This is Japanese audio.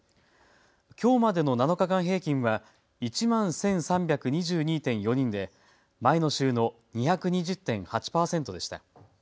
きょうまでの７日間平均は１万１３２２．４人で前の週の２２０．８％でした。